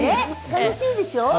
楽しいでしょ？